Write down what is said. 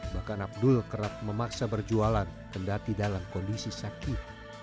bahkan abdul kerap memaksa berjualan kendati dalam kondisi sakit